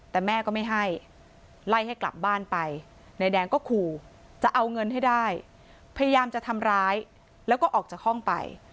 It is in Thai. แต่แม่ก็ไม่ให้ไล่ให้กลับบ้านไปนายแดงก็ขู่จะเอาเงินให้ได้พยายามจะทำร้ายแล้วก็ออกจากห้องไป